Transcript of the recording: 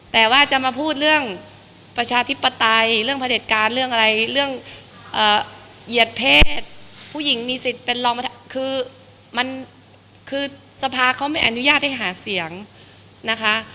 แต่ว่าจะมาพูดเรื่องประชาธิปไตยเรื่องพระเด็จการเรื่องอะไรเรื่องเหยียดเพศผู้หญิงมีสิทธิ์เป็นรองคือมันคือสภาเขาไม่อนุญาตให้หาเสียงนะคะ